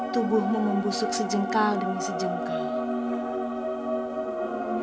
tubuhmu membusuk sejengkal demi sejengkal